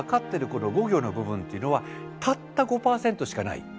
この５行の部分というのはたった５％しかない。